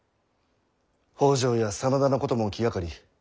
北条や真田のことも気がかり。